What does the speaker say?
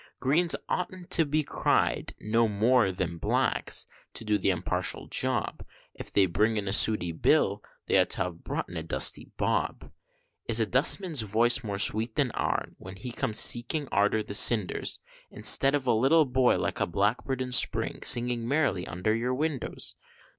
Greens oughtn't to be cried no more than blacks to do the unpartial job, If they bring in a Sooty Bill, they ought to have brought in a Dusty Bob. Is a dustman's voice more sweet than ourn, when he comes a seeking arter the cinders, Instead of a little boy like a blackbird in spring, singing merrily under your windows?